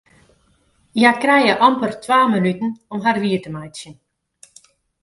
Hja krije amper twa minuten om har wier te meitsjen.